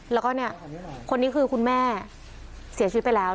แล้วก็เนี่ยคนนี้คือคุณแม่เสียชีวิตไปแล้ว